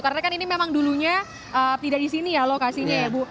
karena kan ini memang dulunya tidak di sini ya lokasinya ya bu